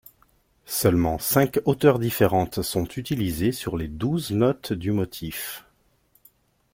Seulement cinq hauteurs différentes sont utilisées sur les douze notes du motif.